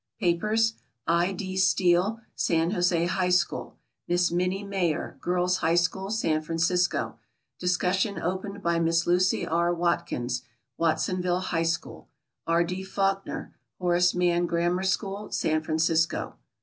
Papers: I. D. Steele, San Jose High School; Miss Minnie Maher, Girls' High School, San Francisco. Discussion opened by Miss Lucy R. Watkins, Watsonville High School; R. D. Faulkner, Horace Mann Grammar School, San Francisco.